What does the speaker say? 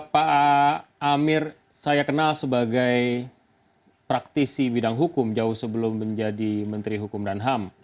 pak amir saya kenal sebagai praktisi bidang hukum jauh sebelum menjadi menteri hukum dan ham